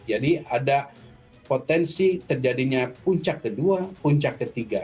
jadi ada potensi terjadinya puncak kedua puncak ketiga